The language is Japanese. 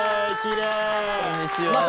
こんにちは。